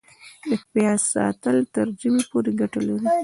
د پیاز ساتل تر ژمي پورې ګټه لري؟